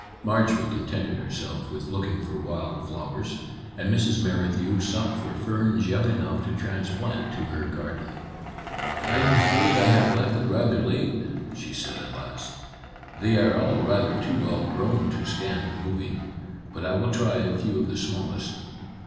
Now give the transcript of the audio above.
Marjorie contented herself with looking for wild flowers, and Mrs. Merrithew sought for ferns young enough to transplant to her garden. " I am afraid I have left it rather late," she said at last. " They are all rather too well grown to stand moving. But I will try a few of the smallest.